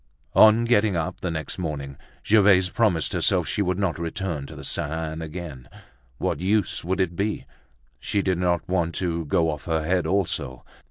On getting up the next morning, Gervaise promised herself she would not return to the Sainte Anne again. What use would it be? She did not want to go off her head also.